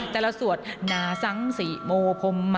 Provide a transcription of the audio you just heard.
แต่เราสวด